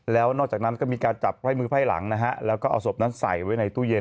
แล้วนอกจากนั้นก็มีการจับไพ่มือไพ่หลังนะฮะแล้วก็เอาศพนั้นใส่ไว้ในตู้เย็น